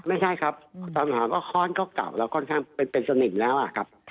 ไม่ใช่ครับค้อนก็เก่าแล้วค่อนข้างเป็นสนิมครับ